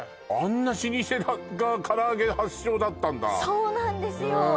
あんな老舗がからあげ発祥だったんだそうなんですよ